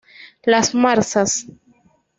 Las marzas.